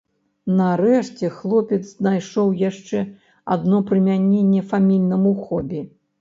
Нарэшце, хлопец знайшоў яшчэ адно прымяненне фамільнаму хобі.